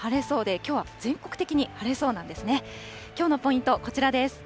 きょうのポイント、こちらです。